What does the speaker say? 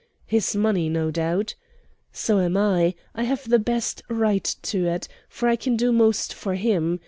His money, no doubt. "So am I; I have the best right to it, for I can do most for him.